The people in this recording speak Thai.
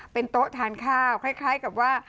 เป็นโต๊ะทานข้าวคล้ายกับว่า